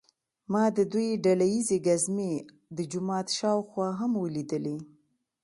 ما د دوی ډله ییزې ګزمې د جومات شاوخوا هم ولیدلې.